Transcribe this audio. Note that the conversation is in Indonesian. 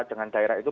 dengan daerah itu